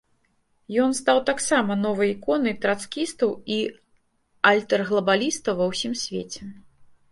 Ён стаў таксама новай іконай трацкістаў і альтэрглабалістаў ва ўсім свеце.